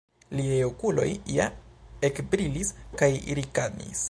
Liaj okuloj ja ekbrilis kaj rikanis.